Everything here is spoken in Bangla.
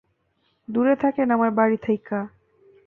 দূরে থাকেন আমার বাড়ি থেইক্কা।